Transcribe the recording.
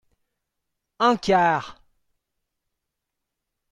Un quart.